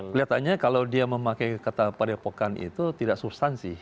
kelihatannya kalau dia memakai kata padepokan itu tidak substansi